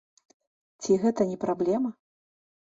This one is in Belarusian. Ці гэта не праблема?